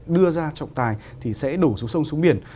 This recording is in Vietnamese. đưa ra trọng tài thì sẽ đổ xuống sông xuống biển